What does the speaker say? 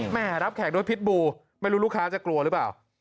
แม่รับแขกด้วยพิษบูไม่รู้ลูกค้าจะกลัวหรือเปล่า